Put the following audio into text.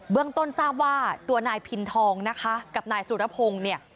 เรื่องต้นทราบว่าตัวนายพินทองนะคะกับนายสุรพงศ์เนี่ย